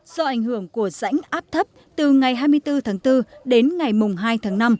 do ảnh hưởng của rãnh áp thấp từ ngày hai mươi bốn tháng bốn đến ngày hai tháng năm